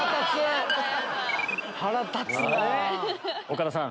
岡田さん